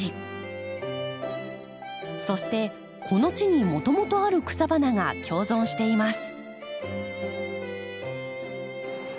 そしてこの地にもともとある草花が共存しています。